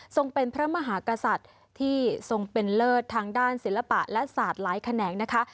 เป็นพระมหากษัตริย์ที่ทรงเป็นเลิศทางด้านศิลปะและศาสตร์หลายแขนงนะคะ